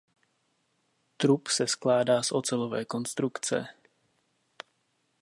Trup se skládá z ocelové konstrukce.